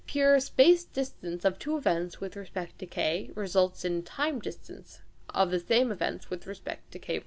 Pure " space distance " of two events with respect to K results in " time distance " of the same events with respect to K.